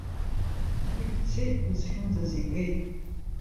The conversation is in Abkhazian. Уи дцеит, дызхьымӡаз игеит.